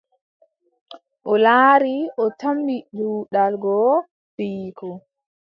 O laari, o tammi juɗal goo, ɓiyiiko ;